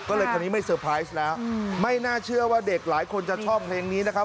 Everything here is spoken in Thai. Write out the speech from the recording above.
ก็เลยคราวนี้ไม่เซอร์ไพรส์แล้วไม่น่าเชื่อว่าเด็กหลายคนจะชอบเพลงนี้นะครับ